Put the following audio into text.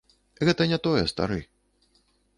Гэта не тое, стары.